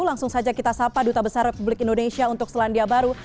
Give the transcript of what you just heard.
langsung saja kita sapa duta besar republik indonesia untuk selandia baru